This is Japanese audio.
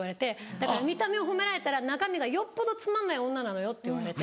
だから「見た目を褒められたら中身がよっぽどつまんない女なのよ」って言われて。